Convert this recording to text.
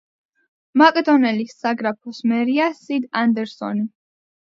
მაკდონელის საგრაფოს მერია სიდ ანდერსონი.